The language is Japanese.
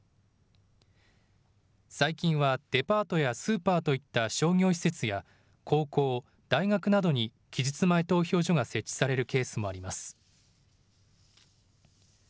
最近はデパートやスーパーといった商業施設や高校、大学などに期日前投票所が設置されるケースもあります。